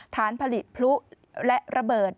ฐานผลิตพลุและระเบิด